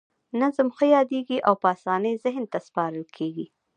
نظم ښه یادیږي او په اسانۍ ذهن ته سپارل کیږي.